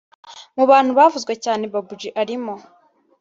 Mu bantu bavuzwe cyane Babou G arimo